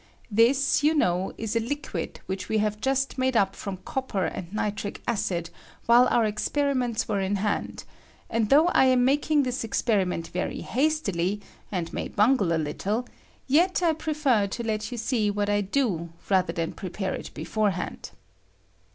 This, you know, is a liquid which we have just made up from copper and nitric acid while our other experiments were in hand ; and though I am making this experi HEDUCTION OF COPPEE. Iment very hastily, and may bungle a little, yet I prefer to let yoii see ivbat I do rather than prepare it beforehand.